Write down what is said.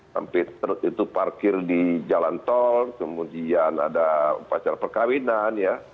sampai terus itu parkir di jalan tol kemudian ada pacar perkahwinan ya